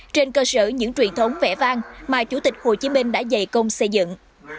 trên cơ sở những truyền thống vẽ vang mà chủ tịch hồ chí minh đã dày công xây dựng